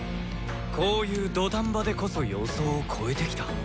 こういう土壇場でこそ予想を超えてきた。